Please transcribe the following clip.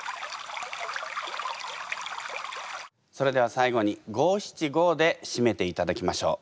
それでは最後に五・七・五でしめていただきましょう。